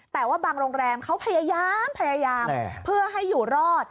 แต่ว่าบางโรงแรมเขาพยายามพยายามเพื่อให้อยู่รอด